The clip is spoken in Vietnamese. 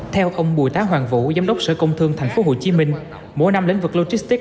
theo ông bùi tá hoàng vũ giám đốc sở công thương tp hcm mỗi năm lĩnh vực logistics